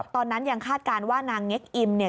ตอนนั้นยังคาดการณ์ว่านางเง็กอิมเนี่ย